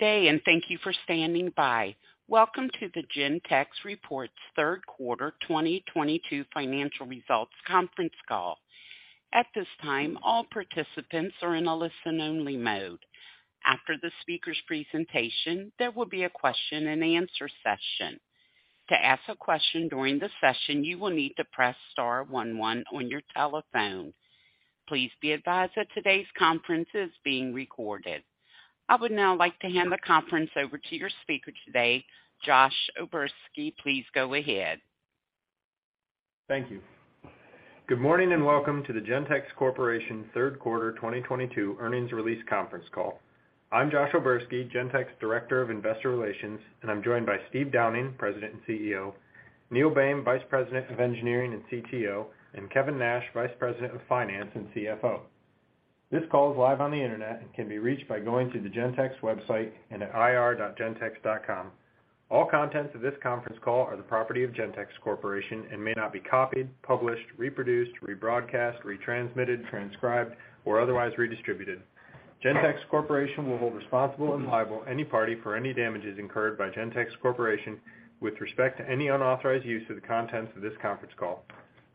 Good day, and thank you for standing by. Welcome to the Gentex reports third quarter 2022 financial results conference call. At this time, all participants are in a listen-only mode. After the speaker's presentation, there will be a question-and-answer session. To ask a question during the session, you will need to press star one one on your telephone. Please be advised that today's conference is being recorded. I would now like to hand the conference over to your speaker today, Josh O'Berski. Please go ahead. Thank you. Good morning, and welcome to the Gentex Corporation third quarter 2022 earnings release conference call. I'm Josh O'Berski, Gentex Director of Investor Relations, and I'm joined by Steve Downing, President and CEO, Neil Boehm, Vice President of Engineering and CTO, and Kevin Nash, Vice President of Finance and CFO. This call is live on the Internet and can be reached by going to the Gentex website and at ir.gentex.com. All contents of this conference call are the property of Gentex Corporation and may not be copied, published, reproduced, rebroadcast, retransmitted, transcribed or otherwise redistributed. Gentex Corporation will hold responsible and liable any party for any damages incurred by Gentex Corporation with respect to any unauthorized use of the contents of this conference call.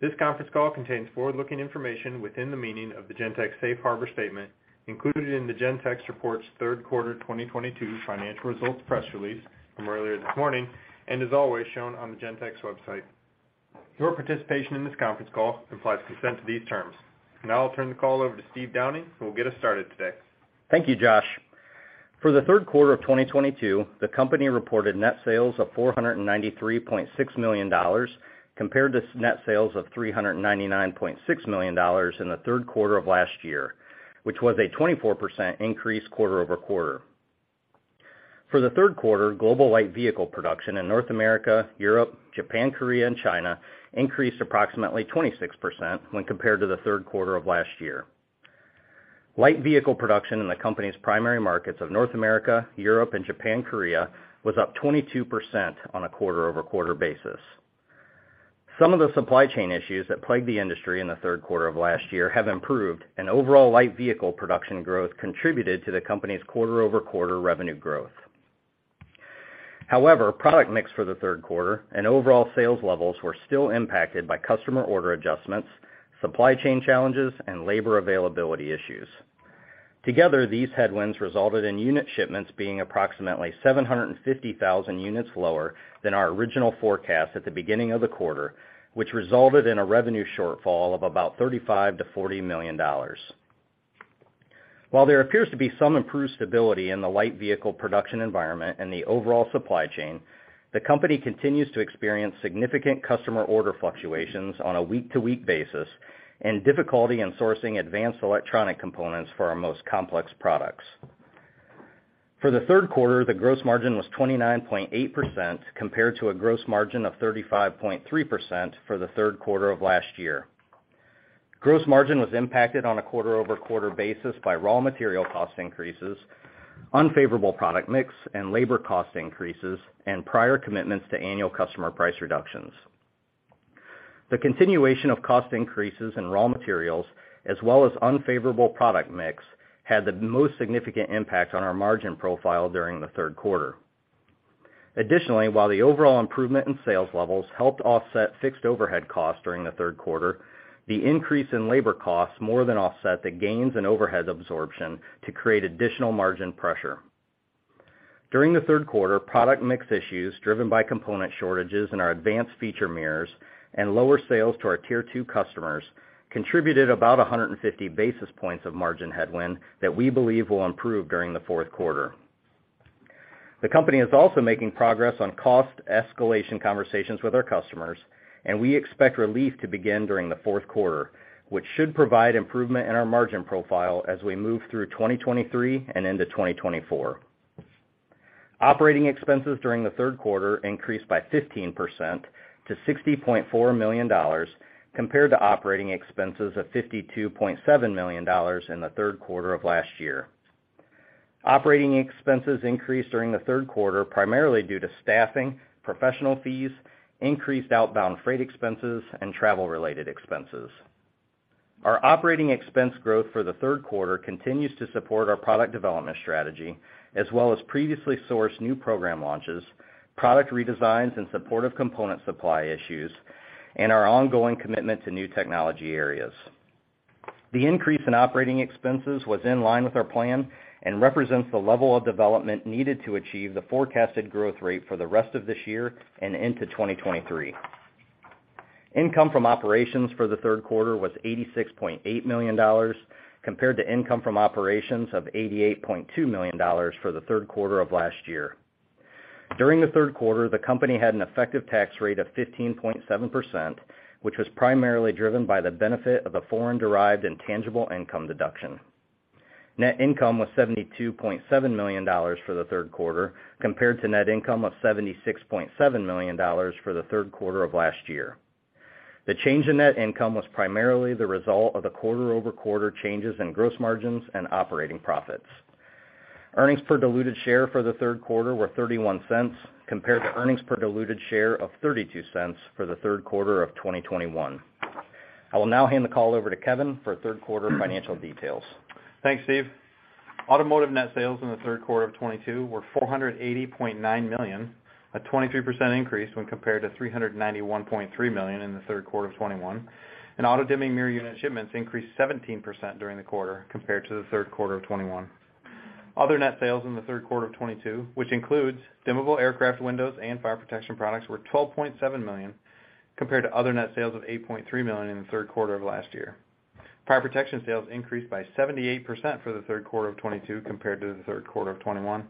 This conference call contains forward-looking information within the meaning of the Gentex safe harbor statement included in the Gentex Reports third quarter 2022 financial results press release from earlier this morning and is always shown on the Gentex website. Your participation in this conference call implies consent to these terms. Now I'll turn the call over to Steve Downing, who will get us started today. Thank you, Josh. For the third quarter of 2022, the company reported net sales of $493.6 million compared to net sales of $399.6 million in the third quarter of last year, which was a 24% increase quarter-over-quarter. For the third quarter, global light vehicle production in North America, Europe, Japan, Korea, and China increased approximately 26% when compared to the third quarter of last year. Light vehicle production in the company's primary markets of North America, Europe, and Japan, Korea was up 22% on a quarter-over-quarter basis. Some of the supply chain issues that plagued the industry in the third quarter of last year have improved, and overall light vehicle production growth contributed to the company's quarter-over-quarter revenue growth. However, product mix for the third quarter and overall sales levels were still impacted by customer order adjustments, supply chain challenges, and labor availability issues. Together, these headwinds resulted in unit shipments being approximately 750,000 units lower than our original forecast at the beginning of the quarter, which resulted in a revenue shortfall of about $35 million-$40 million. While there appears to be some improved stability in the light vehicle production environment and the overall supply chain, the company continues to experience significant customer order fluctuations on a week-to-week basis and difficulty in sourcing advanced electronic components for our most complex products. For the third quarter, the gross margin was 29.8% compared to a gross margin of 35.3% for the third quarter of last year. Gross margin was impacted on a quarter-over-quarter basis by raw material cost increases, unfavorable product mix and labor cost increases, and prior commitments to annual customer price reductions. The continuation of cost increases in raw materials as well as unfavorable product mix had the most significant impact on our margin profile during the third quarter. Additionally, while the overall improvement in sales levels helped offset fixed overhead costs during the third quarter, the increase in labor costs more than offset the gains in overhead absorption to create additional margin pressure. During the third quarter, product mix issues driven by component shortages in our advanced feature mirrors and lower sales to our tier two customers contributed about 150 basis points of margin headwind that we believe will improve during the fourth quarter. The company is also making progress on cost escalation conversations with our customers, and we expect relief to begin during the fourth quarter, which should provide improvement in our margin profile as we move through 2023 and into 2024. Operating expenses during the third quarter increased by 15% to $60.4 million compared to operating expenses of $52.7 million in the third quarter of last year. Operating expenses increased during the third quarter primarily due to staffing, professional fees, increased outbound freight expenses, and travel-related expenses. Our operating expense growth for the third quarter continues to support our product development strategy as well as previously sourced new program launches, product redesigns in support of component supply issues, and our ongoing commitment to new technology areas. The increase in operating expenses was in line with our plan and represents the level of development needed to achieve the forecasted growth rate for the rest of this year and into 2023. Income from operations for the third quarter was $86.8 million compared to income from operations of $88.2 million for the third quarter of last year. During the third quarter, the company had an effective tax rate of 15.7%, which was primarily driven by the benefit of the foreign-derived intangible income deduction. Net income was $72.7 million for the third quarter compared to net income of $76.7 million for the third quarter of last year. The change in net income was primarily the result of the quarter-over-quarter changes in gross margins and operating profits. Earnings per diluted share for the third quarter were $0.31 compared to earnings per diluted share of $0.32 for the third quarter of 2021. I will now hand the call over to Kevin for third quarter financial details. Thanks, Steve. Automotive net sales in the third quarter of 2022 were $480.9 million, a 23% increase when compared to $391.3 million in the third quarter of 2021. Auto dimming mirror unit shipments increased 17% during the quarter compared to the third quarter of 2021. Other net sales in the third quarter of 2022, which includes dimmable aircraft windows and fire protection products, were $12.7 million, compared to other net sales of $8.3 million in the third quarter of last year. Fire protection sales increased by 78% for the third quarter of 2022 compared to the third quarter of 2021,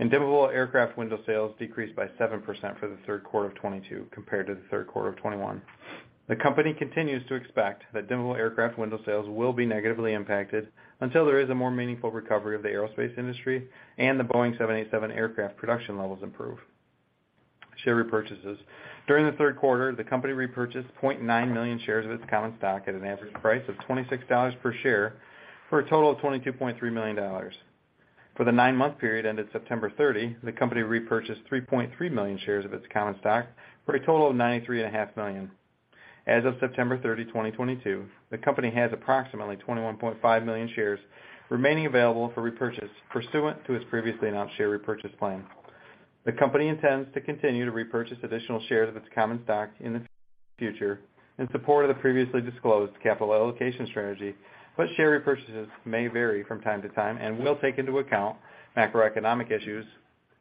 and dimmable aircraft window sales decreased by 7% for the third quarter of 2022 compared to the third quarter of 2021. The company continues to expect that dimmable aircraft windows sales will be negatively impacted until there is a more meaningful recovery of the aerospace industry and the Boeing 787 aircraft production levels improve. Share repurchases. During the third quarter, the company repurchased 0.9 million shares of its common stock at an average price of $26 per share for a total of $22.3 million. For the nine-month period ended September 30, the company repurchased 3.3 million shares of its common stock for a total of $93.5 million. As of September 30, 2022, the company has approximately 21.5 million shares remaining available for repurchase pursuant to its previously announced share repurchase plan. The company intends to continue to repurchase additional shares of its common stock in the future in support of the previously disclosed capital allocation strategy, but share repurchases may vary from time to time and will take into account macroeconomic issues,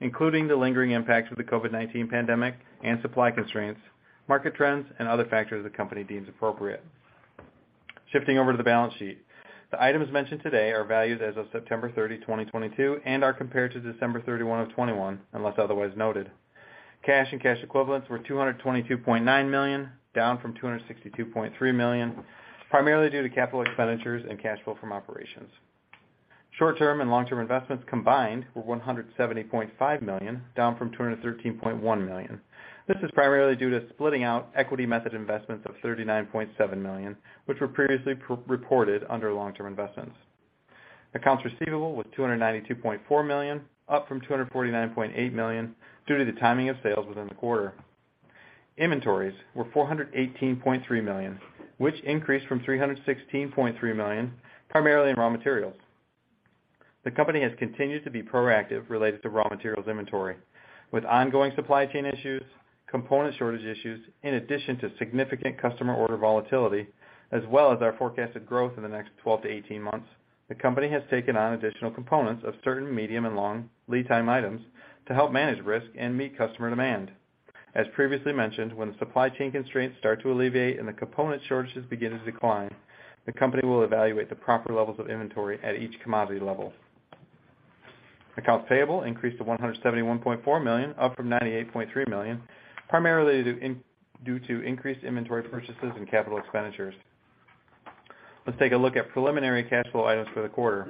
including the lingering impacts of the COVID-19 pandemic and supply constraints, market trends, and other factors the company deems appropriate. Shifting over to the balance sheet. The items mentioned today are valued as of September 30, 2022, and are compared to December 31, 2021, unless otherwise noted. Cash and cash equivalents were $222.9 million, down from $262.3 million, primarily due to capital expenditures and cash flow from operations. Short-term and long-term investments combined were $170.5 million, down from $213.1 million. This is primarily due to splitting out equity method investments of $39.7 million, which were previously reported under long-term investments. Accounts receivable was $292.4 million, up from $249.8 million due to the timing of sales within the quarter. Inventories were $418.3 million, which increased from $316.3 million, primarily in raw materials. The company has continued to be proactive related to raw materials inventory. With ongoing supply chain issues, component shortage issues, in addition to significant customer order volatility, as well as our forecasted growth in the next 12 to 18 months, the company has taken on additional components of certain medium and long lead time items to help manage risk and meet customer demand. As previously mentioned, when supply chain constraints start to alleviate and the component shortages begin to decline, the company will evaluate the proper levels of inventory at each commodity level. Accounts payable increased to $171.4 million, up from $98.3 million, primarily due to increased inventory purchases and capital expenditures. Let's take a look at preliminary cash flow items for the quarter.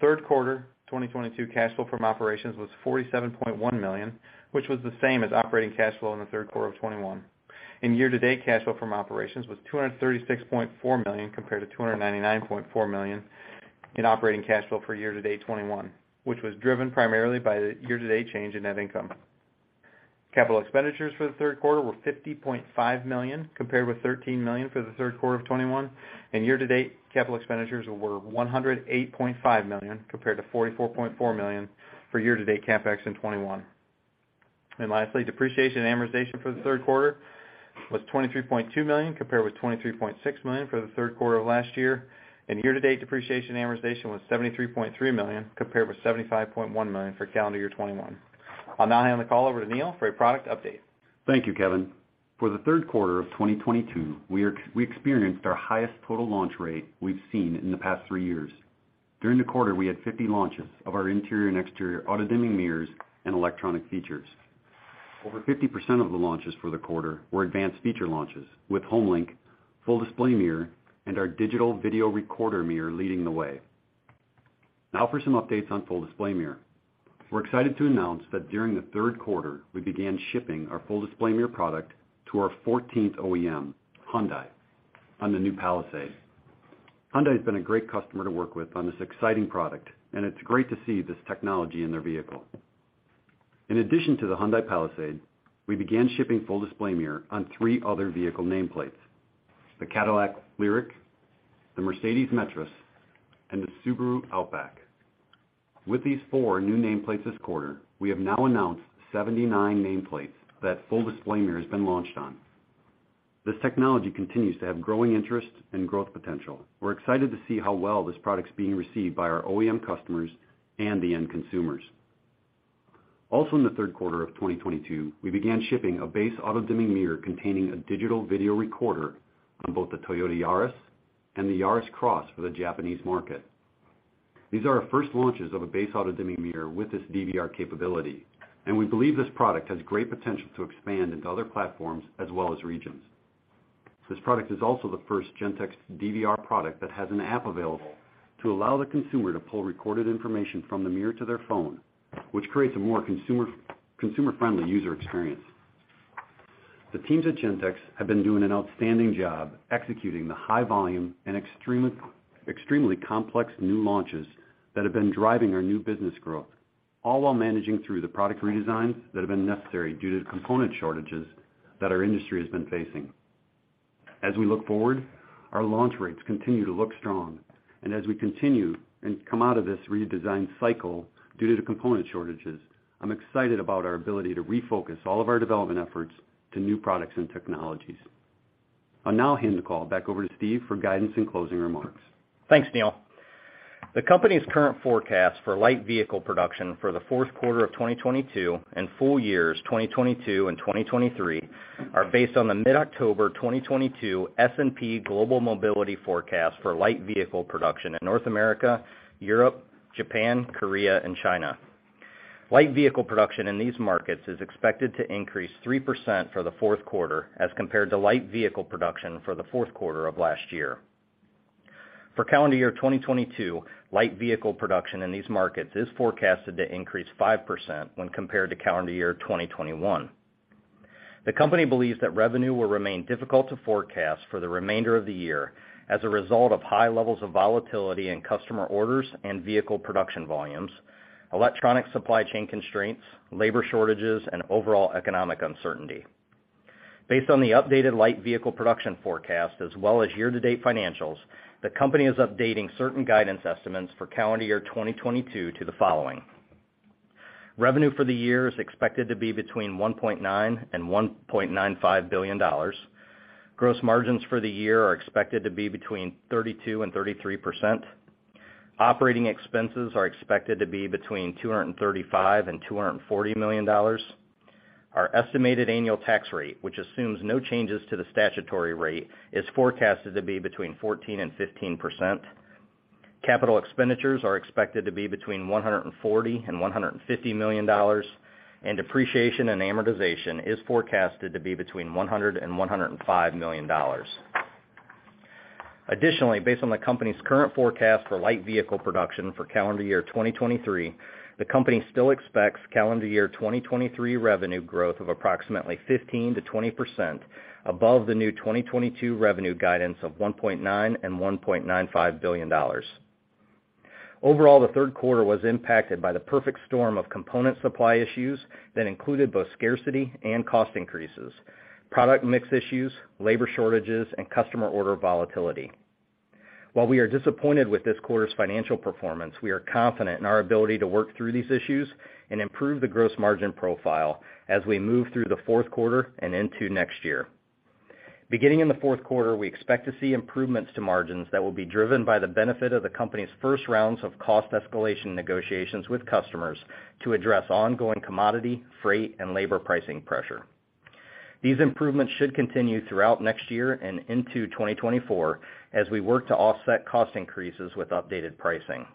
Third quarter 2022 cash flow from operations was $47.1 million, which was the same as operating cash flow in the third quarter of 2021. In year-to-date, cash flow from operations was $236.4 million compared to $299.4 million in operating cash flow for year-to-date 2021, which was driven primarily by the year-to-date change in net income. Capital expenditures for the third quarter were $50.5 million, compared with $13 million for the third quarter of 2021, and year-to-date capital expenditures were $108.5 million, compared to $44.4 million for year-to-date CapEx in 2021. Lastly, depreciation and amortization for the third quarter was $23.2 million, compared with $23.6 million for the third quarter of last year. Year-to-date depreciation and amortization was $73.3 million, compared with $75.1 million for calendar year 2021. I'll now hand the call over to Neil for a product update. Thank you, Kevin. For the third quarter of 2022, we experienced our highest total launch rate we've seen in the past 3 years. During the quarter, we had 50 launches of our interior and exterior auto-dimming mirrors and electronic features. Over 50% of the launches for the quarter were advanced feature launches, with HomeLink, Full Display Mirror, and our Digital Video Recorder Mirror leading the way. Now for some updates on Full Display Mirror. We're excited to announce that during the third quarter, we began shipping our Full Display Mirror product to our 14th OEM, Hyundai, on the new Palisade. Hyundai has been a great customer to work with on this exciting product, and it's great to see this technology in their vehicle. In addition to the Hyundai Palisade, we began shipping Full Display Mirror on 3 other vehicle nameplates, the Cadillac Lyriq, the Mercedes-Benz Metris, and the Subaru Outback. With these 4 new nameplates this quarter, we have now announced 79 nameplates that Full Display Mirror has been launched on. This technology continues to have growing interest and growth potential. We're excited to see how well this product's being received by our OEM customers and the end consumers. Also in the third quarter of 2022, we began shipping a base auto-dimming mirror containing a digital video recorder on both the Toyota Yaris and the Yaris Cross for the Japanese market. These are our first launches of a base auto-dimming mirror with this DVR capability, and we believe this product has great potential to expand into other platforms as well as regions. This product is also the first Gentex DVR product that has an app available to allow the consumer to pull recorded information from the mirror to their phone, which creates a more consumer-friendly user experience. The teams at Gentex have been doing an outstanding job executing the high volume and extremely complex new launches that have been driving our new business growth. All while managing through the product redesigns that have been necessary due to the component shortages that our industry has been facing. As we look forward, our launch rates continue to look strong. As we continue and come out of this redesign cycle due to the component shortages, I'm excited about our ability to refocus all of our development efforts to new products and technologies. I'll now hand the call back over to Steve for guidance and closing remarks. Thanks, Neil. The company's current forecast for light vehicle production for the fourth quarter of 2022 and full years 2022 and 2023 are based on the mid-October 2022 S&P Global Mobility forecast for light vehicle production in North America, Europe, Japan, Korea and China. Light vehicle production in these markets is expected to increase 3% for the fourth quarter as compared to light vehicle production for the fourth quarter of last year. For calendar year 2022, light vehicle production in these markets is forecasted to increase 5% when compared to calendar year 2021. The company believes that revenue will remain difficult to forecast for the remainder of the year as a result of high levels of volatility in customer orders and vehicle production volumes, electronic supply chain constraints, labor shortages, and overall economic uncertainty. Based on the updated light vehicle production forecast as well as year-to-date financials, the company is updating certain guidance estimates for calendar year 2022 to the following. Revenue for the year is expected to be between $1.9 billion and $1.95 billion. Gross margins for the year are expected to be between 32% and 33%. Operating expenses are expected to be between $235 million and $240 million. Our estimated annual tax rate, which assumes no changes to the statutory rate, is forecasted to be between 14% and 15%. Capital expenditures are expected to be between $140 million and $150 million, and depreciation and amortization is forecasted to be between $100 million and $105 million. Additionally, based on the company's current forecast for light vehicle production for calendar year 2023, the company still expects calendar year 2023 revenue growth of approximately 15%-20% above the new 2022 revenue guidance of $1.9-$1.95 billion. Overall, the third quarter was impacted by the perfect storm of component supply issues that included both scarcity and cost increases, product mix issues, labor shortages, and customer order volatility. While we are disappointed with this quarter's financial performance, we are confident in our ability to work through these issues and improve the gross margin profile as we move through the fourth quarter and into next year. Beginning in the fourth quarter, we expect to see improvements to margins that will be driven by the benefit of the company's first rounds of cost escalation negotiations with customers to address ongoing commodity, freight, and labor pricing pressure. These improvements should continue throughout next year and into 2024 as we work to offset cost increases with updated pricing.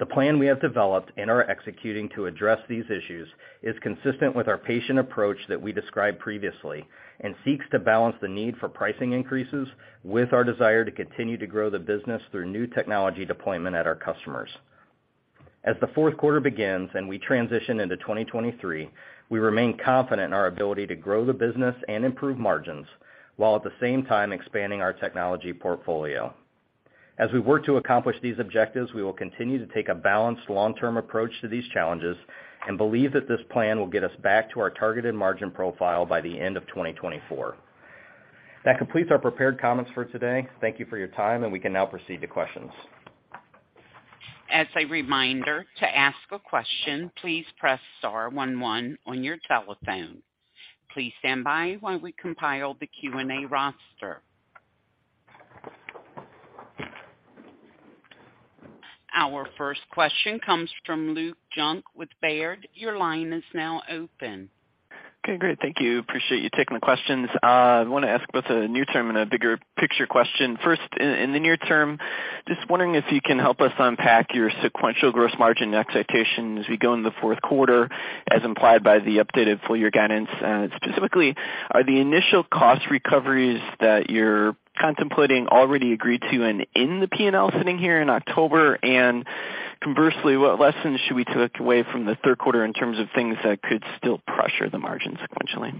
The plan we have developed and are executing to address these issues is consistent with our patient approach that we described previously and seeks to balance the need for pricing increases with our desire to continue to grow the business through new technology deployment at our customers. As the fourth quarter begins and we transition into 2023, we remain confident in our ability to grow the business and improve margins while at the same time expanding our technology portfolio. As we work to accomplish these objectives, we will continue to take a balanced long-term approach to these challenges and believe that this plan will get us back to our targeted margin profile by the end of 2024. That completes our prepared comments for today. Thank you for your time, and we can now proceed to questions. As a reminder, to ask a question, please press star one one on your telephone. Please stand by while we compile the Q&A roster. Our first question comes from Luke Junk with Baird. Your line is now open. Okay, great. Thank you. Appreciate you taking the questions. I wanna ask both a near-term and a bigger picture question. First, in the near term, just wondering if you can help us unpack your sequential gross margin expectations as we go into the fourth quarter, as implied by the updated full year guidance. Specifically, are the initial cost recoveries that you're contemplating already agreed to and in the P&L sitting here in October? And conversely, what lessons should we take away from the third quarter in terms of things that could still pressure the margin sequentially?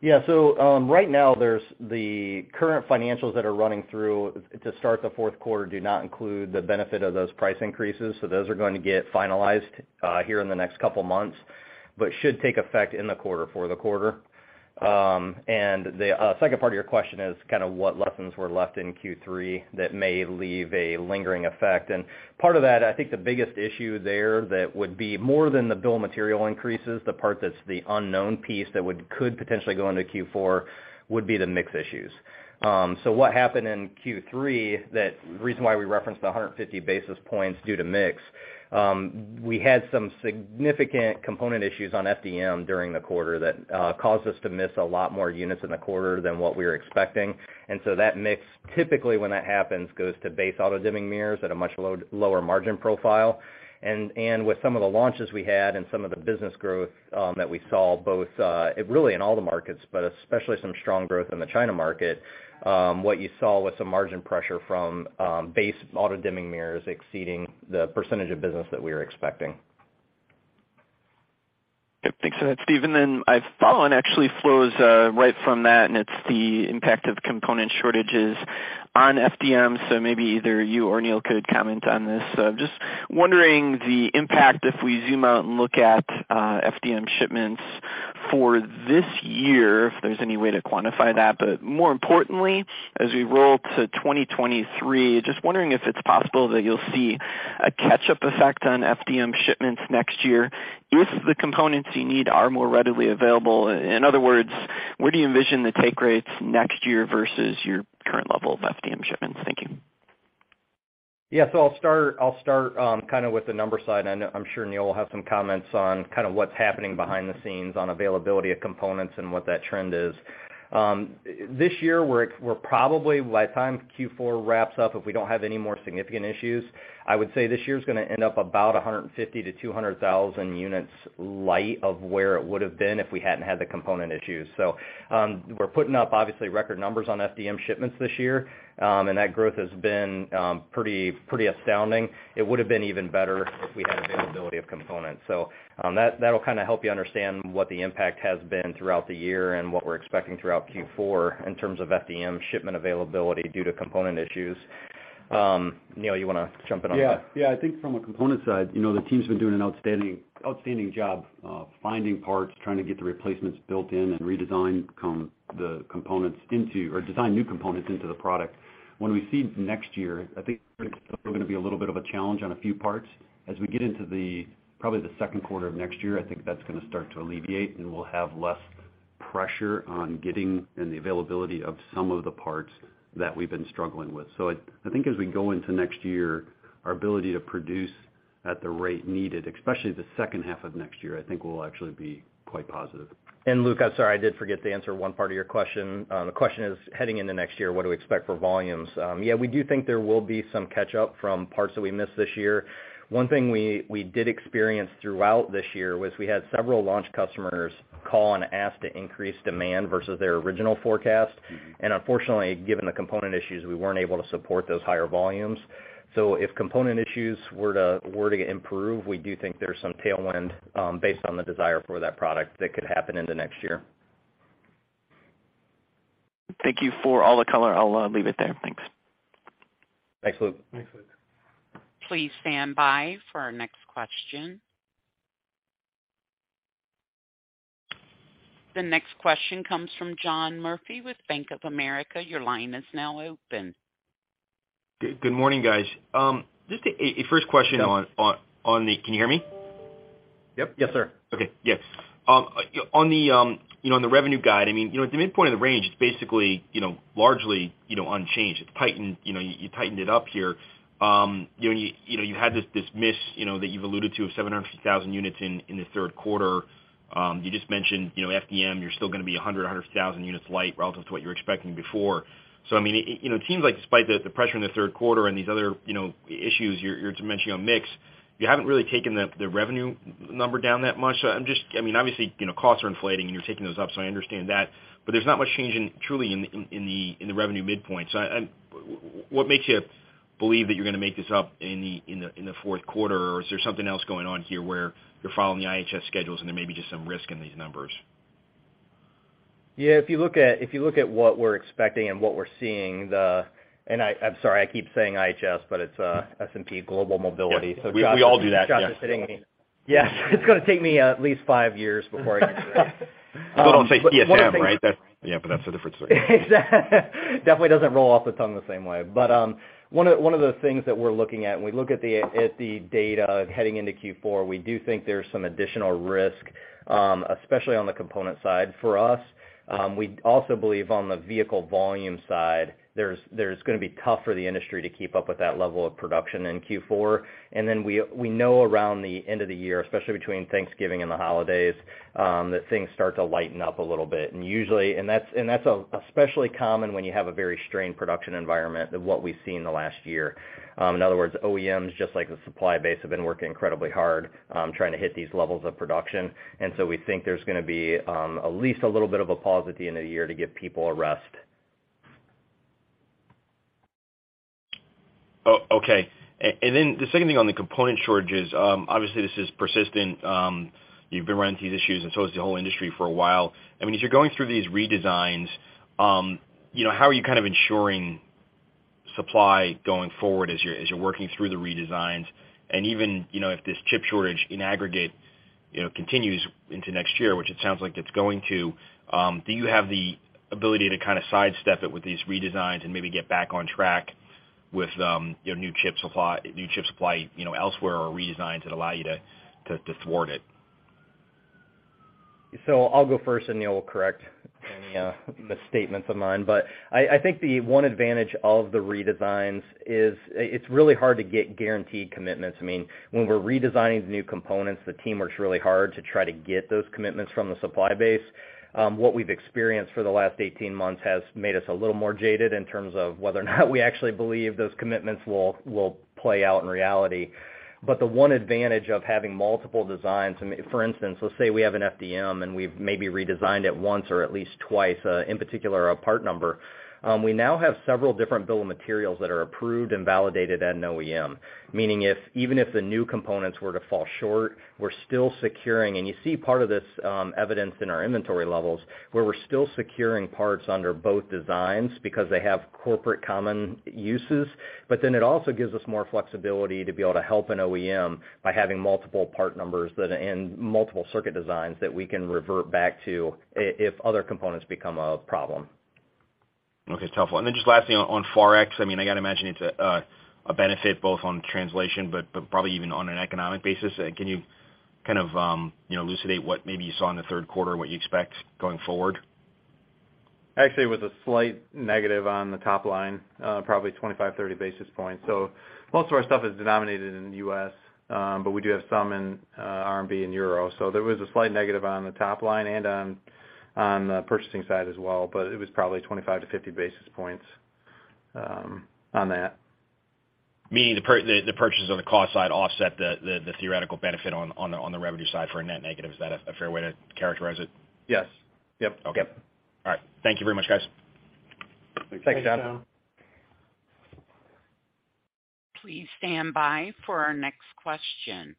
Right now there's the current financials that are running through to start the fourth quarter do not include the benefit of those price increases. Those are going to get finalized here in the next couple of months, but should take effect in the quarter for the quarter. Second part of your question is kind of what lessons were left in Q3 that may leave a lingering effect. Part of that, I think the biggest issue there that would be more than the bill of material increases, the part that's the unknown piece that could potentially go into Q4, would be the mix issues. What happened in Q3, that reason why we referenced the 150 basis points due to mix, we had some significant component issues on FDM during the quarter that caused us to miss a lot more units in the quarter than what we were expecting. That mix, typically when that happens, goes to base auto-dimming mirrors at a much lower margin profile. With some of the launches we had and some of the business growth that we saw both really in all the markets, but especially some strong growth in the China market, what you saw was some margin pressure from base auto-dimming mirrors exceeding the percentage of business that we were expecting. Yep. Thanks for that, Steve. My follow-on actually flows right from that, and it's the impact of component shortages on FDM. Maybe either you or Neil could comment on this. Just wondering the impact if we zoom out and look at FDM shipments for this year, if there's any way to quantify that. More importantly, as we roll to 2023, just wondering if it's possible that you'll see a catch-up effect on FDM shipments next year if the components you need are more readily available. In other words, where do you envision the take rates next year versus your current level of FDM shipments? Thank you. I'll start kind of with the number side, and I'm sure Neil will have some comments on kind of what's happening behind the scenes on availability of components and what that trend is. This year we're probably, by the time Q4 wraps up, if we don't have any more significant issues, I would say this year's gonna end up about 150-200,000 units light of where it would have been if we hadn't had the component issues. We're putting up obviously record numbers on FDM shipments this year, and that growth has been pretty astounding. It would have been even better if we had availability of components. That'll kind of help you understand what the impact has been throughout the year and what we're expecting throughout Q4 in terms of FDM shipment availability due to component issues. Neil, you wanna jump in on that? Yeah. I think from a component side, you know, the team's been doing an outstanding job of finding parts, trying to get the replacements built in and or design new components into the product. When we see next year, I think we're gonna be a little bit of a challenge on a few parts. As we get into the, probably the second quarter of next year, I think that's gonna start to alleviate, and we'll have less pressure on getting and the availability of some of the parts that we've been struggling with. I think as we go into next year, our ability to produce at the rate needed, especially the second half of next year, I think will actually be quite positive. Luke, I'm sorry, I did forget to answer one part of your question. The question is, heading into next year, what do we expect for volumes? We do think there will be some catch up from parts that we missed this year. One thing we did experience throughout this year was we had several launch customers call and ask to increase demand versus their original forecast. Unfortunately, given the component issues, we weren't able to support those higher volumes. If component issues were to improve, we do think there's some tailwind, based on the desire for that product that could happen into next year. Thank you for all the color. I'll leave it there. Thanks. Thanks, Luke. Thanks, Luke. Please stand by for our next question. The next question comes from John Murphy with Bank of America. Your line is now open. Good morning, guys. Can you hear me? Yep. Yes, sir. Okay. Yes. On the revenue guide, I mean, you know, at the midpoint of the range, it's basically, you know, largely, you know, unchanged. It's tightened, you know, you tightened it up here. You know, you had this miss, you know, that you've alluded to of 700,000 units in the third quarter. You just mentioned, you know, FDM, you're still gonna be 100,000 units light relative to what you were expecting before. I mean, you know, it seems like despite the pressure in the third quarter and these other issues, your dimension on mix, you haven't really taken the revenue number down that much. I'm just, I mean, obviously, you know, costs are inflating, and you're taking those up, so I understand that. There's not much change in the revenue midpoint. What makes you believe that you're gonna make this up in the fourth quarter? Is there something else going on here where you're following the IHS schedules and there may be just some risk in these numbers? Yeah. If you look at what we're expecting and what we're seeing. I'm sorry, I keep saying IHS, but it's S&P Global Mobility. Yeah. We all do that. Yeah. Josh is sitting me. Yes. It's gonna take me at least 5 years before I get it right. We'll say IHS, right? That's. Yeah, but that's a different story. Exactly. Definitely doesn't roll off the tongue the same way. One of the things that we're looking at when we look at the data heading into Q4, we do think there's some additional risk, especially on the component side for us. We also believe on the vehicle volume side, there's gonna be tough for the industry to keep up with that level of production in Q4. We know around the end of the year, especially between Thanksgiving and the holidays, that things start to lighten up a little bit. Usually, that's especially common when you have a very strained production environment like what we've seen in the last year. In other words, OEMs, just like the supply base, have been working incredibly hard, trying to hit these levels of production. We think there's gonna be at least a little bit of a pause at the end of the year to give people a rest. Okay. Then the second thing on the component shortages, obviously this is persistent. You've been running through these issues and so has the whole industry for a while. I mean, as you're going through these redesigns, you know, how are you kind of ensuring supply going forward as you're working through the redesigns? Even, you know, if this chip shortage in aggregate, you know, continues into next year, which it sounds like it's going to, do you have the ability to kind of sidestep it with these redesigns and maybe get back on track with, you know, new chip supply, you know, elsewhere or redesigns that allow you to to thwart it? I'll go first, and Neil will correct any misstatements of mine. I think the one advantage of the redesigns is it's really hard to get guaranteed commitments. I mean, when we're redesigning the new components, the team works really hard to try to get those commitments from the supply base. What we've experienced for the last 18 months has made us a little more jaded in terms of whether or not we actually believe those commitments will play out in reality. The one advantage of having multiple designs, I mean, for instance, let's say we have an FDM and we've maybe redesigned it once or at least twice, in particular a part number. We now have several different bill of materials that are approved and validated at an OEM. Meaning if even if the new components were to fall short, we're still securing, and you see part of this evidence in our inventory levels, where we're still securing parts under both designs because they have corporate common uses. It also gives us more flexibility to be able to help an OEM by having multiple part numbers and multiple circuit designs that we can revert back to if other components become a problem. Okay. It's helpful. Then just lastly on Forex, I mean, I gotta imagine it's a benefit both on translation, but probably even on an economic basis. Can you kind of, you know, elucidate what maybe you saw in the third quarter and what you expect going forward? Actually, it was a slight negative on the top line, probably 25-30 basis points. Most of our stuff is denominated in the US, but we do have some in RMB and Euro. There was a slight negative on the top line and on the purchasing side as well, but it was probably 25-50 basis points on that. Meaning the purchases on the cost side offset the theoretical benefit on the revenue side for a net negative. Is that a fair way to characterize it? Yes. Yep. Okay. All right. Thank you very much, guys. Thanks, David Kelley. Please stand by for our next question.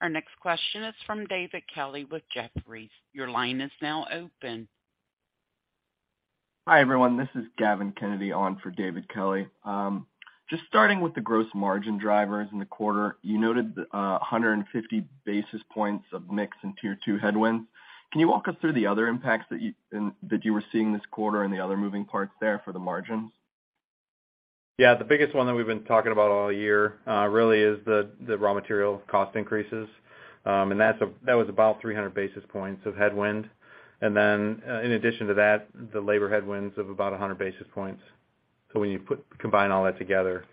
Our next question is from David Kelley with Jefferies. Your line is now open. Hi, everyone. This is Gavin Kennedy on for David Kelley. Just starting with the gross margin drivers in the quarter, you noted 150 basis points of mix and tier two headwinds. Can you walk us through the other impacts that you were seeing this quarter and the other moving parts there for the margins? Yeah. The biggest one that we've been talking about all year really is the raw material cost increases. That was about 300 basis points of headwind. In addition to that, the labor headwinds of about 100 basis points. When you combine all that together,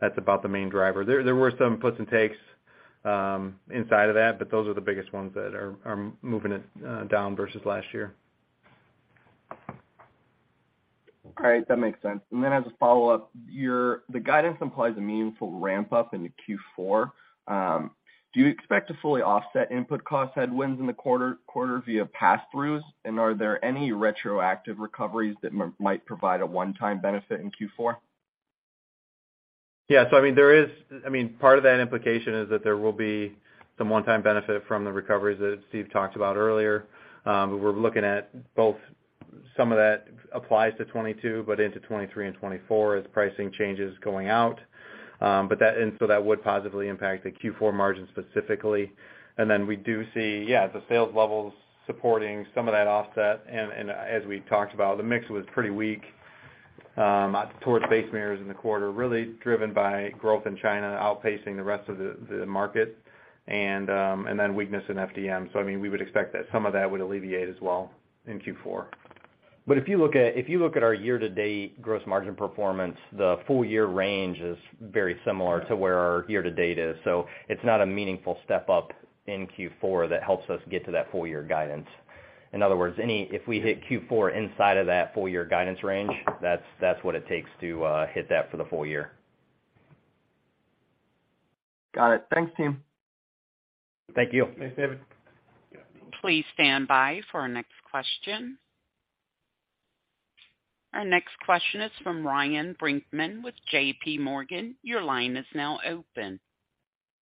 that's about the main driver. There were some puts and takes inside of that, but those are the biggest ones that are moving it down versus last year. All right. That makes sense. As a follow-up, the guidance implies a meaningful ramp up into Q4. Do you expect to fully offset input cost headwinds in the quarter via passthroughs? Are there any retroactive recoveries that might provide a one-time benefit in Q4? Yeah. I mean, there is I mean, part of that implication is that there will be some one-time benefit from the recoveries that Steve talked about earlier. We're looking at both some of that applies to 2022, but into 2023 and 2024 as pricing changes going out. And so that would positively impact the Q4 margin specifically. We do see, yeah, the sales levels supporting some of that offset. As we talked about, the mix was pretty weak towards base mirrors in the quarter, really driven by growth in China outpacing the rest of the market and then weakness in FDM. I mean, we would expect that some of that would alleviate as well in Q4. If you look at our year-to-date gross margin performance, the full-year range is very similar to where our year-to-date is. It's not a meaningful step up in Q4 that helps us get to that full year guidance. In other words, if we hit Q4 inside of that full year guidance range, that's what it takes to hit that for the full year. Got it. Thanks, team. Thank you. Thanks, David. Please stand by for our next question. Our next question is from Ryan Brinkman with J.P. Morgan. Your line is now open.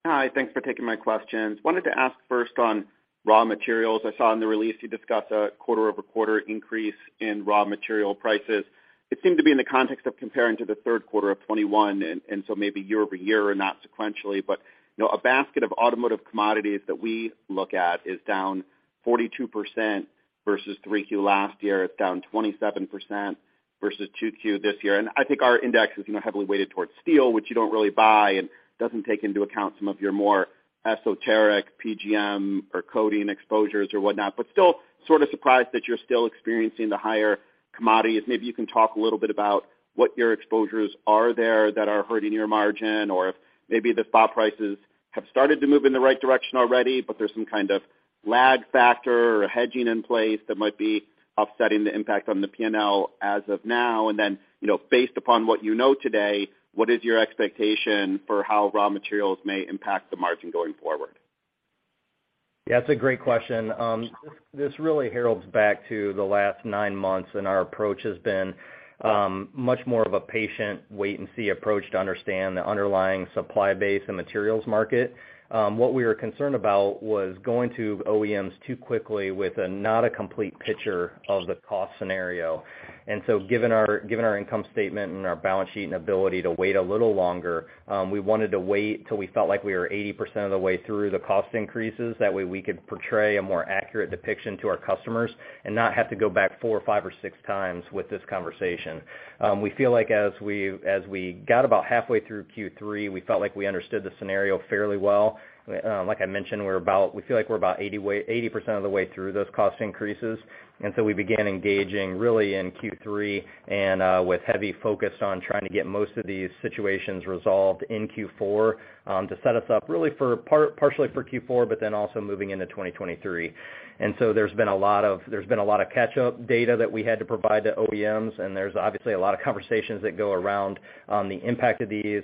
Hi. Thanks for taking my questions. Wanted to ask first on raw materials. I saw in the release you discussed a quarter over quarter increase in raw material prices. It seemed to be in the context of comparing to the third quarter of 2021 and so maybe year-over-year and not sequentially. You know, a basket of automotive commodities that we look at is down 42% versus 3Q last year. It's down 27% versus 2Q this year. I think our index is, you know, heavily weighted towards steel, which you don't really buy and doesn't take into account some of your more esoteric PGM or coding exposures or whatnot. Still sort of surprised that you're still experiencing the higher commodities. Maybe you can talk a little bit about what your exposures are there that are hurting your margin, or if maybe the spot prices have started to move in the right direction already, but there's some kind of lag factor or hedging in place that might be offsetting the impact on the P&L as of now. Then, you know, based upon what you know today, what is your expectation for how raw materials may impact the margin going forward? Yeah, it's a great question. This really heralds back to the last nine months, and our approach has been much more of a patient wait and see approach to understand the underlying supply base and materials market. What we were concerned about was going to OEMs too quickly with not a complete picture of the cost scenario. Given our income statement and our balance sheet and ability to wait a little longer, we wanted to wait till we felt like we were 80% of the way through the cost increases. That way, we could portray a more accurate depiction to our customers and not have to go back four, five or six times with this conversation. We feel like as we got about halfway through Q3, we felt like we understood the scenario fairly well. Like I mentioned, we feel like we're about 80% of the way through those cost increases. We began engaging really in Q3 and with heavy focus on trying to get most of these situations resolved in Q4 to set us up really partially for Q4, but then also moving into 2023. There's been a lot of catch-up data that we had to provide to OEMs, and there's obviously a lot of conversations that go around on the impact of these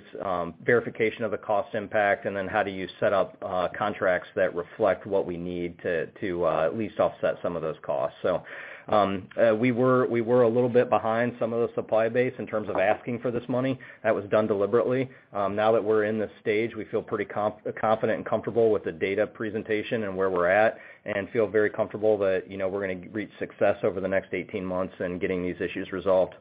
verification of the cost impact, and then how do you set up contracts that reflect what we need to at least offset some of those costs. We were a little bit behind some of the supply base in terms of asking for this money. That was done deliberately. Now that we're in this stage, we feel pretty confident and comfortable with the data presentation and where we're at, and feel very comfortable that, you know, we're gonna reach success over the next 18 months in getting these issues resolved.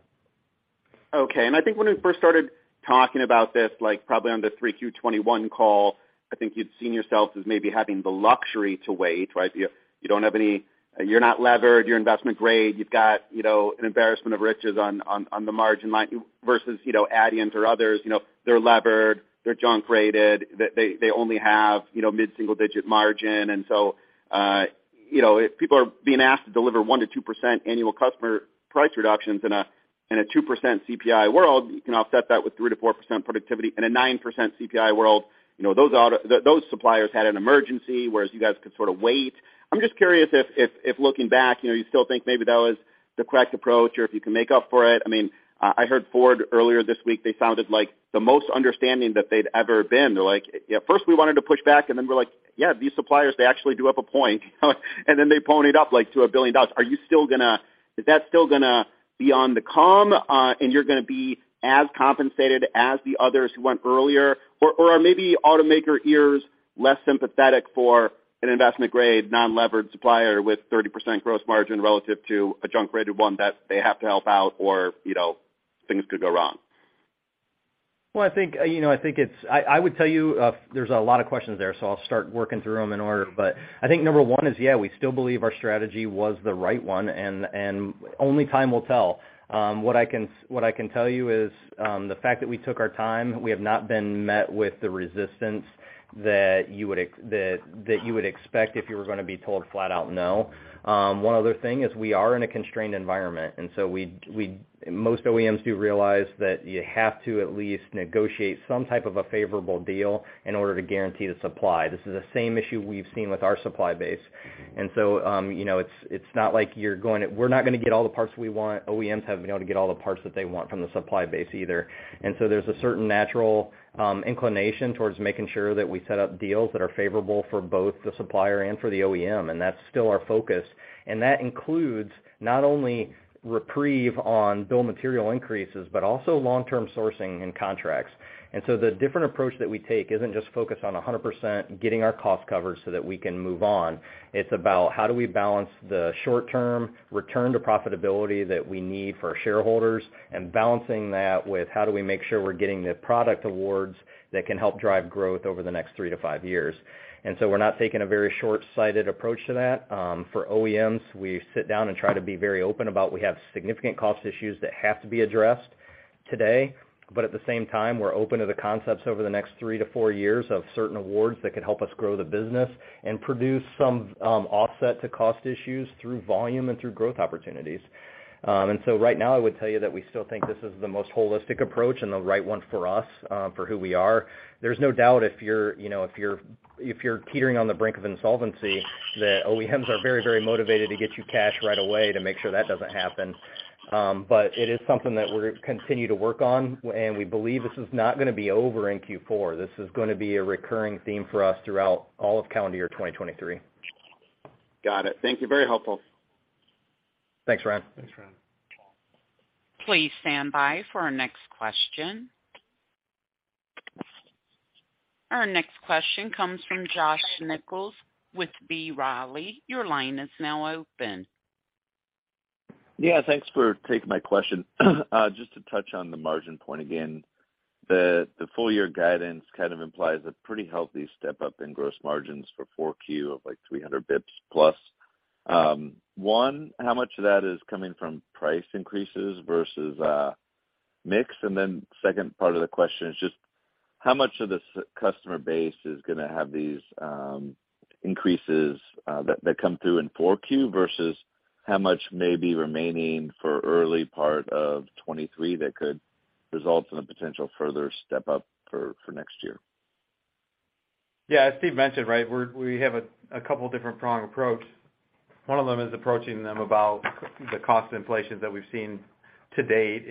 Okay. I think when we first started talking about this, like probably on the 3Q 2021 call, I think you'd seen yourselves as maybe having the luxury to wait, right? You don't have any. You're not levered, you're investment grade. You've got, you know, an embarrassment of riches on the margin line versus, you know, Adient or others. You know, they're levered, they're junk-rated. They only have, you know, mid-single digit margin. So, you know, if people are being asked to deliver 1%-2% annual customer price reductions in a 2% CPI world, you can offset that with 3%-4% productivity. In a 9% CPI world, you know, those suppliers had an emergency, whereas you guys could sort of wait. I'm just curious if looking back, you know, you still think maybe that was the correct approach or if you can make up for it. I mean, I heard Ford earlier this week, they sounded like the most understanding that they'd ever been. They're like, "Yeah, first we wanted to push back, and then we're like, yeah, these suppliers, they actually do have a point, and then they pony it up like to $1 billion." Is that still gonna be on the come, and you're gonna be as compensated as the others who went earlier? Or are maybe automaker ears less sympathetic for an investment grade, non-levered supplier with 30% gross margin relative to a junk-rated one that they have to help out or, you know, things could go wrong? I think, you know, I would tell you, there's a lot of questions there, so I'll start working through them in order. I think number one is, yeah, we still believe our strategy was the right one, and only time will tell. What I can tell you is, the fact that we took our time, we have not been met with the resistance that you would expect if you were gonna be told flat out no. One other thing is we are in a constrained environment. Most OEMs do realize that you have to at least negotiate some type of a favorable deal in order to guarantee the supply. This is the same issue we've seen with our supply base. It's not like we're gonna get all the parts we want. OEMs have been able to get all the parts that they want from the supply base either. There's a certain natural inclination towards making sure that we set up deals that are favorable for both the supplier and for the OEM, and that's still our focus. That includes not only reprieve on bill of material increases, but also long-term sourcing and contracts. The different approach that we take isn't just focused on 100% getting our cost covered so that we can move on. It's about how do we balance the short-term return to profitability that we need for our shareholders and balancing that with how do we make sure we're getting the product awards that can help drive growth over the next 3 to 5 years. We're not taking a very short-sighted approach to that. For OEMs, we sit down and try to be very open about we have significant cost issues that have to be addressed today, but at the same time, we're open to the concepts over the next 3 to 4 years of certain awards that could help us grow the business and produce some offset to cost issues through volume and through growth opportunities. Right now I would tell you that we still think this is the most holistic approach and the right one for us, for who we are. There's no doubt if you're, you know, if you're teetering on the brink of insolvency, that OEMs are very, very motivated to get you cash right away to make sure that doesn't happen. It is something that we're gonna continue to work on, and we believe this is not gonna be over in Q4. This is gonna be a recurring theme for us throughout all of calendar year 2023. Got it. Thank you. Very helpful. Thanks, Ryan. Thanks, Ryan. Please stand by for our next question. Our next question comes from Josh Nichols with B. Riley. Your line is now open. Yeah, thanks for taking my question. Just to touch on the margin point again, the full year guidance kind of implies a pretty healthy step-up in gross margins for 4Q of, like, 300 basis points plus. One, how much of that is coming from price increases versus mix? And then second part of the question is just how much of the customer base is gonna have these increases that come through in 4Q versus how much may be remaining for early part of 2023 that could result in a potential further step-up for next year? Yeah. As Steve mentioned, right, we have a couple different pronged approach. One of them is approaching them about the cost inflation that we've seen to date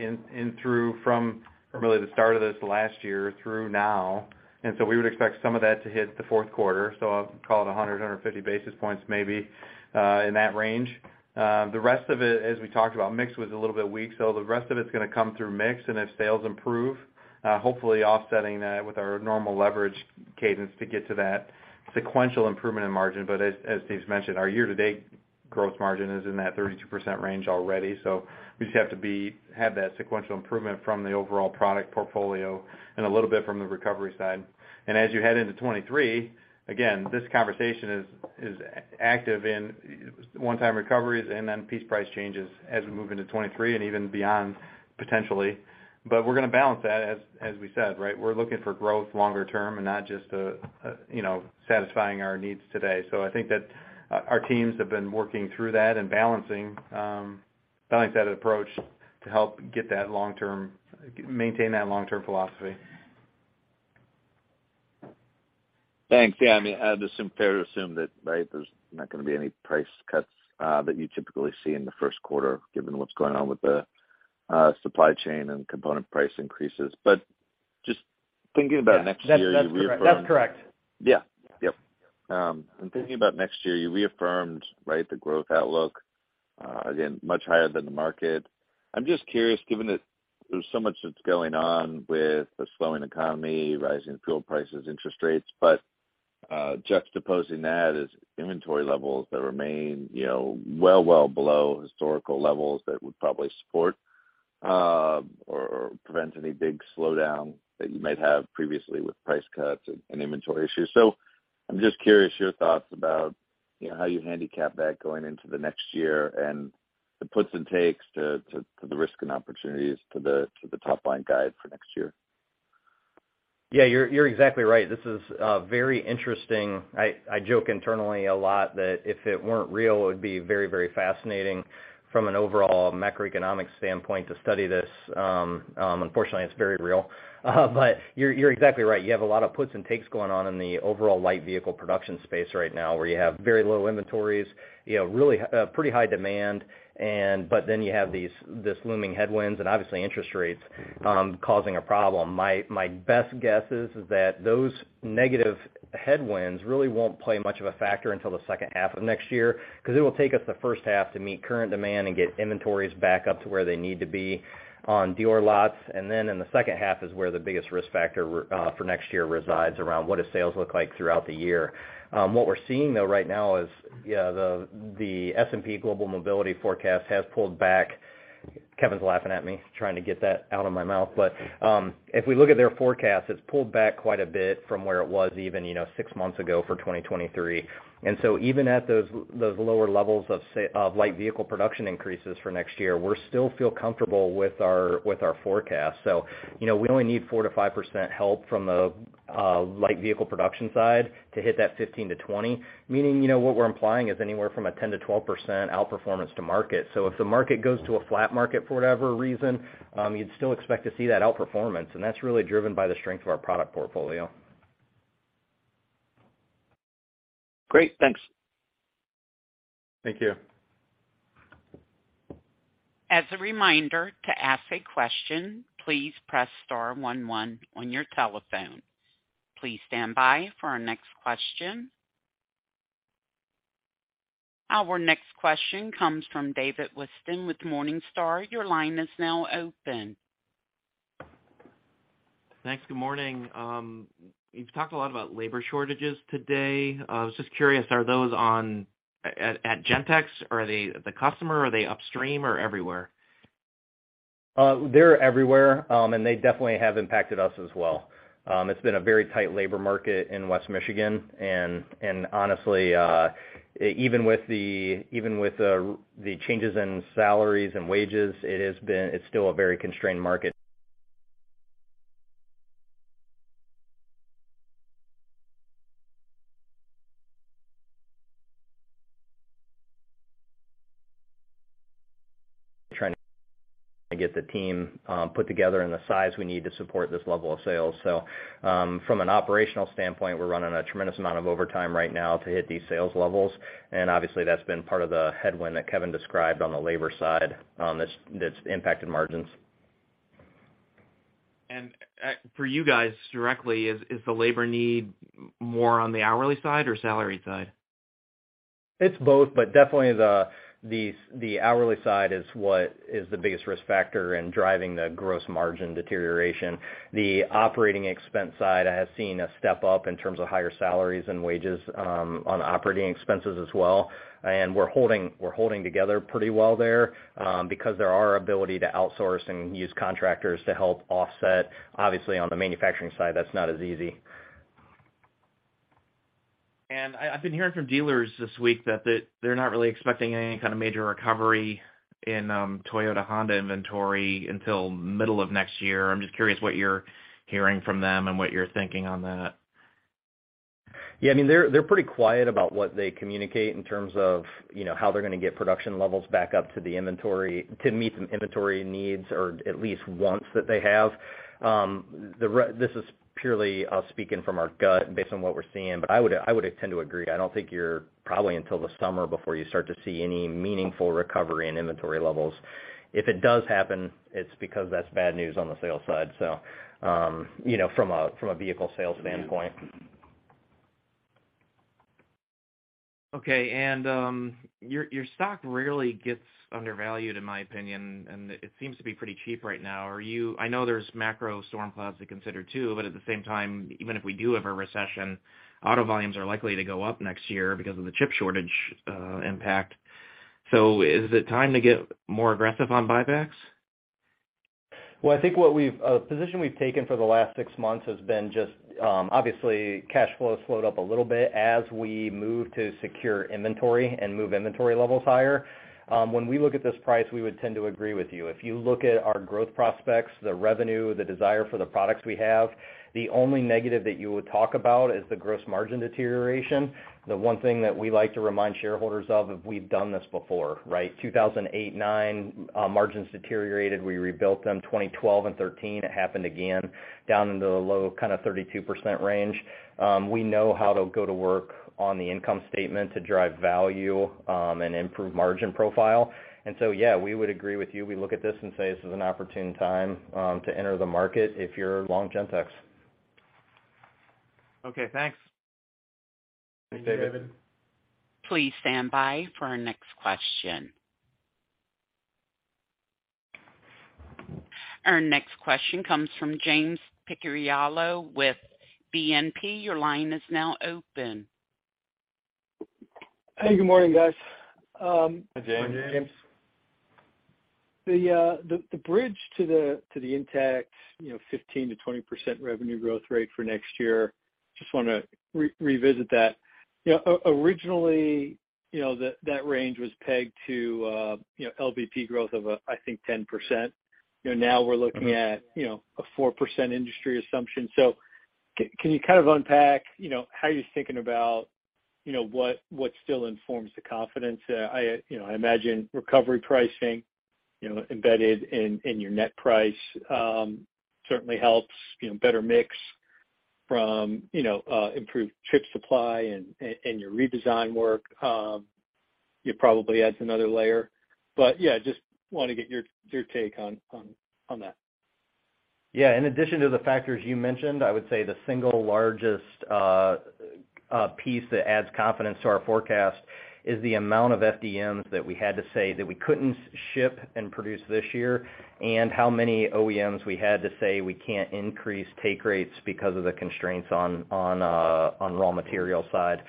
from really the start of this last year through now, and we would expect some of that to hit the fourth quarter. I'll call it 150 basis points maybe, in that range. The rest of it, as we talked about, mix was a little bit weak, so the rest of it's gonna come through mix and if sales improve, hopefully offsetting that with our normal leverage cadence to get to that sequential improvement in margin. As Steve's mentioned, our year-to-date gross margin is in that 32% range already. We just have to have that sequential improvement from the overall product portfolio and a little bit from the recovery side. As you head into 2023, again, this conversation is active in one-time recoveries and then piece price changes as we move into 2023 and even beyond, potentially. We're gonna balance that as we said, right? We're looking for growth longer term and not just, you know, satisfying our needs today. I think that our teams have been working through that and balancing that approach to help maintain that long-term philosophy. Thanks. Yeah, I mean, just fair to assume that, right, there's not gonna be any price cuts that you typically see in the first quarter given what's going on with the supply chain and component price increases. Just thinking about next year. That's correct. That's correct. Yeah. Yep. Thinking about next year, you reaffirmed, right, the growth outlook again, much higher than the market. I'm just curious, given that there's so much that's going on with the slowing economy, rising fuel prices, interest rates, but juxtaposing that is inventory levels that remain, you know, well below historical levels that would probably support or prevent any big slowdown that you might have previously with price cuts and inventory issues. I'm just curious your thoughts about, you know, how you handicap that going into the next year and the puts and takes to the risk and opportunities to the top-line guide for next year. You're exactly right. This is very interesting. I joke internally a lot that if it weren't real, it would be very, very fascinating from an overall macroeconomic standpoint to study this. Unfortunately, it's very real. But you're exactly right. You have a lot of puts and takes going on in the overall light vehicle production space right now, where you have very low inventories, you know, really pretty high demand and, but then you have these looming headwinds and obviously interest rates causing a problem. My best guess is that those negative headwinds really won't play much of a factor until the second half of next year, 'cause it will take us the first half to meet current demand and get inventories back up to where they need to be on dealer lots. Then in the second half is where the biggest risk factor for next year resides around what does sales look like throughout the year. What we're seeing though right now is, yeah, the S&P Global Mobility Forecast has pulled back. Kevin's laughing at me, trying to get that out of my mouth. If we look at their forecast, it's pulled back quite a bit from where it was even, you know, six months ago for 2023. Even at those lower levels of light vehicle production increases for next year, we're still feel comfortable with our forecast. You know, we only need 4%-5% help from the light vehicle production side to hit that 15%-20%, meaning, you know, what we're implying is anywhere from a 10%-12% outperformance to market. If the market goes to a flat market for whatever reason, you'd still expect to see that outperformance, and that's really driven by the strength of our product portfolio. Great. Thanks. Thank you. As a reminder, to ask a question, please press star one one on your telephone. Please stand by for our next question. Our next question comes from David Whiston with Morningstar. Your line is now open. Thanks. Good morning. You've talked a lot about labor shortages today. I was just curious, are those at Gentex? Are they the customer? Are they upstream or everywhere? They're everywhere. They definitely have impacted us as well. It's been a very tight labor market in West Michigan, and honestly, even with the changes in salaries and wages, it's still a very constrained market. Trying to get the team put together in the size we need to support this level of sales. From an operational standpoint, we're running a tremendous amount of overtime right now to hit these sales levels, and obviously, that's been part of the headwind that Kevin described on the labor side, that's impacted margins. For you guys directly, is the labor need more on the hourly side or salary side? It's both, but definitely the hourly side is what is the biggest risk factor in driving the gross margin deterioration. The operating expense side has seen a step-up in terms of higher salaries and wages on operating expenses as well. We're holding together pretty well there, because there's ability to outsource and use contractors to help offset. Obviously, on the manufacturing side, that's not as easy. I've been hearing from dealers this week that they're not really expecting any kind of major recovery in Toyota and Honda inventory until the middle of next year. I'm just curious what you're hearing from them and what you're thinking on that. Yeah, I mean, they're pretty quiet about what they communicate in terms of, you know, how they're gonna get production levels back up to the inventory to meet the inventory needs or at least wants that they have. This is purely us speaking from our gut based on what we're seeing, but I would tend to agree. I don't think you're probably until the summer before you start to see any meaningful recovery in inventory levels. If it does happen, it's because that's bad news on the sales side. You know, from a vehicle sales standpoint. Okay. Your stock rarely gets undervalued, in my opinion, and it seems to be pretty cheap right now. I know there's macro storm clouds to consider too, but at the same time, even if we do have a recession, auto volumes are likely to go up next year because of the chip shortage impact. Is it time to get more aggressive on buybacks? Well, I think a position we've taken for the last 6 months has been just, obviously cash flow has slowed up a little bit as we move to secure inventory and move inventory levels higher. When we look at this price, we would tend to agree with you. If you look at our growth prospects, the revenue, the desire for the products we have, the only negative that you would talk about is the gross margin deterioration. The one thing that we like to remind shareholders of is we've done this before, right? 2008 and 2009, margins deteriorated, we rebuilt them. 2012 and 2013, it happened again, down into the low kind of 32% range. We know how to go to work on the income statement to drive value, and improve margin profile. Yeah, we would agree with you. We look at this and say this is an opportune time to enter the market if you're long Gentex. Okay, thanks. Thanks, David. Please stand by for our next question. Our next question comes from James Picariello with BNP. Your line is now open. Hey, good morning, guys. Hi, James. The bridge to the intact, you know, 15%-20% revenue growth rate for next year, just wanna revisit that. You know, originally, you know, that range was pegged to, you know, LVP growth of, I think 10%. You know, now we're looking at, you know, a 4% industry assumption. Can you kind of unpack, you know, how you're thinking about, you know, what still informs the confidence? I, you know, I imagine recovery pricing, you know, embedded in your net price, certainly helps. You know, better mix from, you know, improved chip supply and your redesign work, it probably adds another layer. Yeah, just wanna get your take on that. Yeah, in addition to the factors you mentioned, I would say the single largest piece that adds confidence to our forecast is the amount of FDM that we had to say that we couldn't ship and produce this year, and how many OEMs we had to say we can't increase take rates because of the constraints on the raw material side.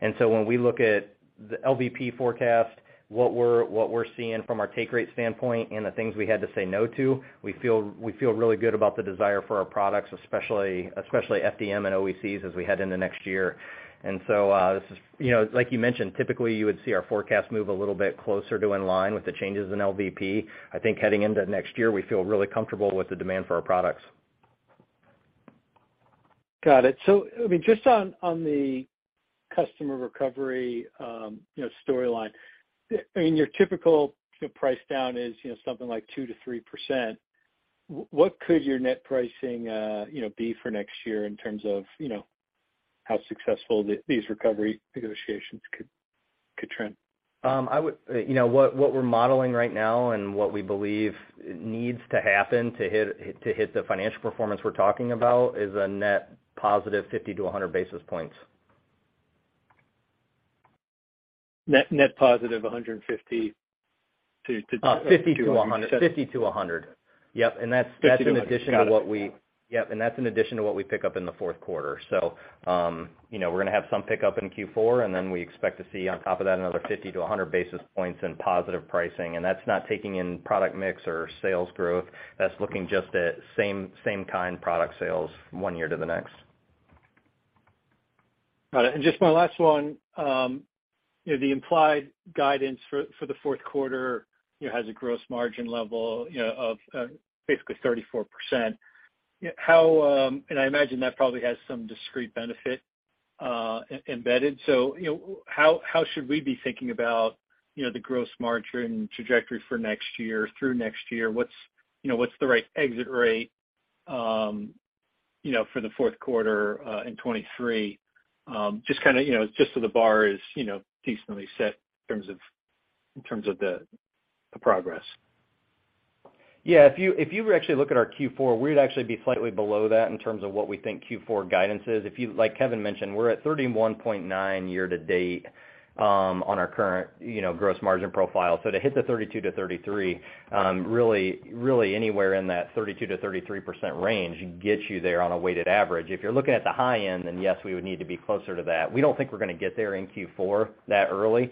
When we look at the LVP forecast, what we're seeing from our take rate standpoint and the things we had to say no to, we feel really good about the desire for our products, especially FDM and OECs as we head into next year. This is, you know, like you mentioned, typically you would see our forecast move a little bit closer to in line with the changes in LVP. I think heading into next year we feel really comfortable with the demand for our products. Got it. I mean, just on the customer recovery, you know, storyline. I mean, your typical price down is, you know, something like 2%-3%. What could your net pricing, you know, be for next year in terms of, you know, how successful these recovery negotiations could trend? You know, what we're modeling right now and what we believe needs to happen to hit the financial performance we're talking about is a net positive 50-100 basis points. Net, net positive $150 to. 50-100. Yep, that's in addition to what we. Got it. Yep, that's in addition to what we pick up in the fourth quarter. You know, we're gonna have some pickup in Q4, and then we expect to see on top of that another 50-100 basis points in positive pricing, and that's not taking in product mix or sales growth. That's looking just at same kind product sales one year to the next. Got it. Just one last one. You know, the implied guidance for the fourth quarter, you know, has a gross margin level, you know, of basically 34%. I imagine that probably has some discrete benefit embedded. You know, how should we be thinking about the gross margin trajectory for next year, through next year? What's the right exit rate for the fourth quarter in 2023? Just kinda, you know, just so the bar is decently set in terms of the progress. Yeah, if you actually look at our Q4, we'd actually be slightly below that in terms of what we think Q4 guidance is. Like Kevin mentioned, we're at 31.9% year-to-date on our current, you know, gross margin profile. To hit the 32%-33%, really anywhere in that 32%-33% range gets you there on a weighted average. If you're looking at the high end, then yes, we would need to be closer to that. We don't think we're gonna get there in Q4 that early.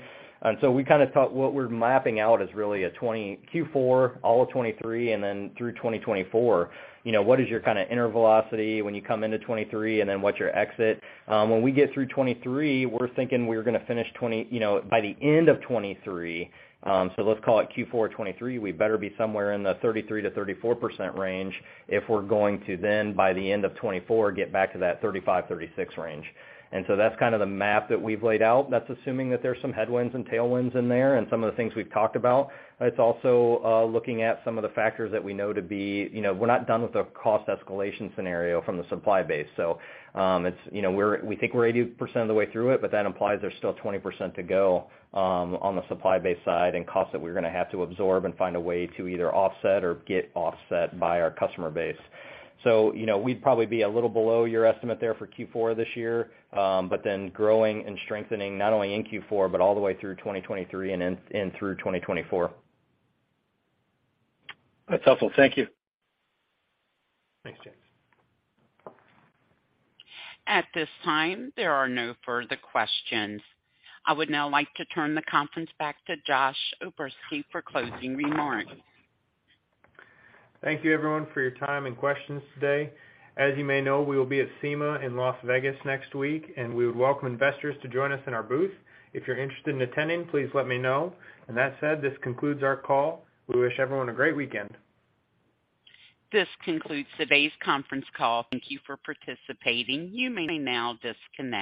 We kinda thought what we're mapping out is really a 2020 Q4, all of 2023, and then through 2024, you know, what is your kinda inventory velocity when you come into 2023, and then what's your exit? When we get through 2023, we're thinking we're gonna finish 20%, you know, by the end of 2023, so let's call it Q4 2023, we better be somewhere in the 33%-34% range if we're going to then by the end of 2024, get back to that 35-36 range. That's kind of the map that we've laid out. That's assuming that there's some headwinds and tailwinds in there and some of the things we've talked about. It's also looking at some of the factors that we know to be. You know, we're not done with the cost escalation scenario from the supply base. It's, you know, we think we're 80% of the way through it, but that implies there's still 20% to go, on the supply base side and costs that we're gonna have to absorb and find a way to either offset or get offset by our customer base. You know, we'd probably be a little below your estimate there for Q4 this year, but then growing and strengthening not only in Q4 but all the way through 2023 and through 2024. That's helpful. Thank you. Thanks, James. At this time, there are no further questions. I would now like to turn the conference back to Josh O'Berski for closing remarks. Thank you, everyone, for your time and questions today. As you may know, we will be at SEMA in Las Vegas next week, and we would welcome investors to join us in our booth. If you're interested in attending, please let me know. That said, this concludes our call. We wish everyone a great weekend. This concludes today's conference call. Thank you for participating. You may now disconnect.